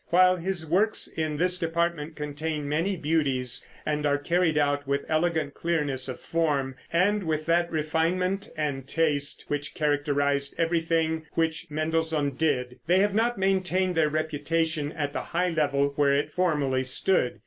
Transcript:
While his works in this department contain many beauties, and are carried out with elegant clearness of form, and with that refinement and taste which characterized everything which Mendelssohn did, they have not maintained their reputation at the high level where it formerly stood.